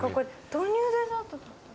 豆乳デザート。